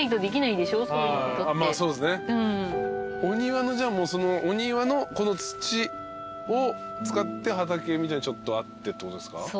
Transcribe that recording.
お庭のじゃあもうお庭のこの土を使って畑みたいのちょっとあってってことですか？